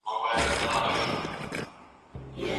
په هغه صورت کې چې رښتیا وویل شي، بې باوري به پیدا نه شي.